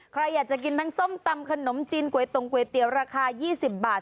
ใครอยากจะกินทั้งส้มตำขนมจีนก๋วยตรงก๋วยเตี๋ยวราคา๒๐บาท